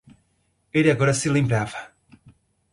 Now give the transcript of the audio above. Ele agora se lembrava